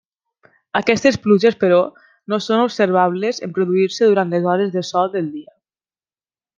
Aquestes pluges, però, no són observables en produir-se durant les hores de Sol del dia.